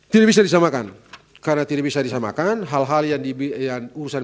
tidak bisa disamakan karena tidak bisa disamakan hal hal yang diurusan